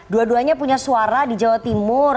dua duanya punya suara di jawa timur